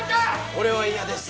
俺は嫌です